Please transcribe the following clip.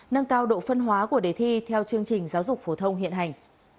nâng cao độ phân hóa của đề thi theo chương trình giáo dục phổ thông hiện hành